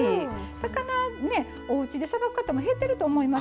魚、おうちでさばくことも減ってるかと思います。